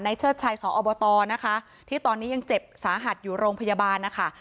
เชิดชัยสอบตนะคะที่ตอนนี้ยังเจ็บสาหัสอยู่โรงพยาบาลนะคะ